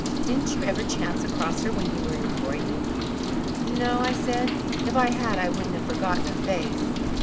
Didn't you ever chance across her when you were in Croyden?" "No," I said. "If I had I wouldn't have forgotten her face."